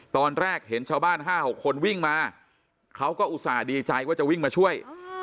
ตอนแรกเห็นชาวบ้าน๕๖คนวิ่งมาเขาก็อุตส่าห์ดีใจว่าจะวิ่งมาช่วย